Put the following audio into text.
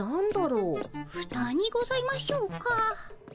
ふたにございましょうか。